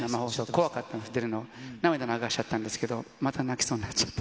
怖かったんです、生放送出るの。涙流しちゃったんですけれども、また泣きそうになっちゃった。